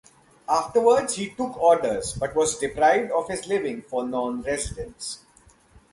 Afterwards he took orders, but was deprived of his living for non-residence.